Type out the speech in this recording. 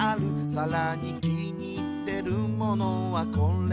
「さらに気に入ってるものはこれである」